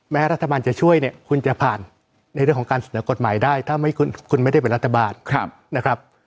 รัฐบาลจะช่วยเนี่ยคุณจะผ่านในเรื่องของการเสนอกฎหมายได้ถ้าคุณไม่ได้เป็นรัฐบาลนะครับ